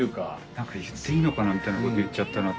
何か言っていいのかなみたいなこと言っちゃったなと思って。